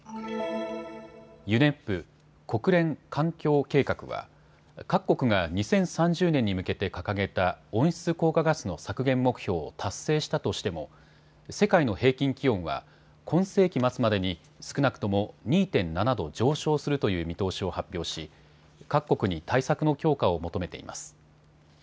ＵＮＥＰ・国連環境計画は各国が２０３０年に向けて掲げた温室効果ガスの削減目標を達成したとしても世界の平均気温は今世紀末までに少なくとも２．７度上昇するという見通しを発表し各国に対策の強化を求めています。